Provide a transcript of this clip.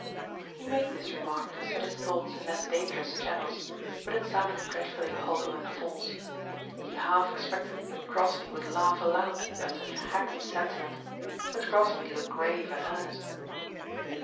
He made this remark to set his thoughts in less dangerous channels, but it sounded dreadfully hollow and false. He half expected that Crosbeigh would laugh aloud at such a hackneyed sentiment, but Crosbeigh looked grave and earnest.